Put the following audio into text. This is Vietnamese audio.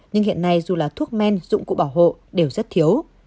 nhưng hiện nay dù là thuốc men dụng cụ bảo hộ đều rất thiếu